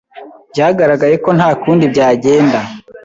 Byaragaragaye ko nta kundi byagenda.